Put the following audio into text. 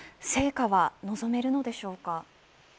成果は望めるのでしょうか。